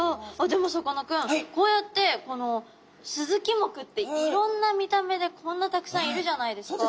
でもさかなクンこうやってスズキ目っていろんな見た目でこんなたくさんいるじゃないですか。